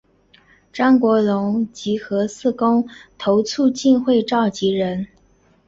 张国龙及核四公投促进会召集人。